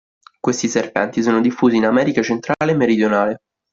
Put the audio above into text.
Questi serpenti sono diffusi in America centrale e meridionale.